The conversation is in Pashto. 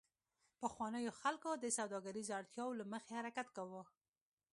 پخوانیو خلکو د سوداګریزو اړتیاوو له مخې حرکت کاوه